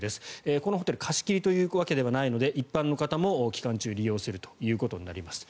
このホテル貸し切りというわけではないので一般の方も期間中、利用するということになります。